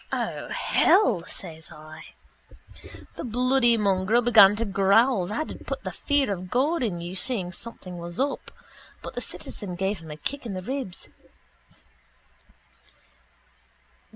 —O hell! says I. The bloody mongrel began to growl that'd put the fear of God in you seeing something was up but the citizen gave him a kick in the ribs.